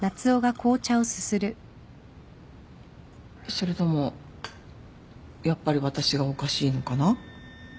それともやっぱり私がおかしいのかな？